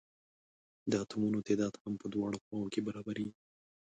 د اتومونو تعداد هم په دواړو خواؤ کې برابریږي.